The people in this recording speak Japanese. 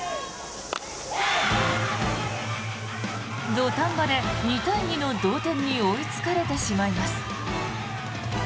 土壇場で２対２の同点に追いつかれてしまいます。